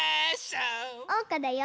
おうかだよ！